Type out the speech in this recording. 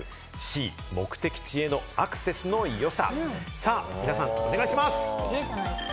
さぁ皆さん、お願いします。